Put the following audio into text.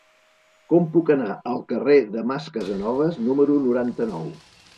Com puc anar al carrer del Mas Casanovas número noranta-nou?